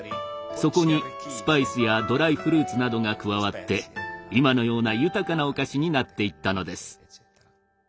そこにスパイスやドライフルーツなどが加わって今のような豊かなお菓子になっていったのです。